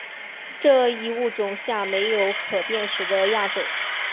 这一物种下没有可辨识的亚种。